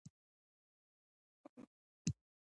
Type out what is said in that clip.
ازادي راډیو د تعلیم پرمختګ او شاتګ پرتله کړی.